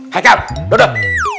hai kan dodot